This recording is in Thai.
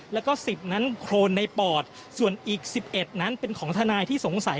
แล้วก็๑๐นั้นโครนในปอดส่วนอีก๑๑นั้นเป็นของทนายที่สงสัย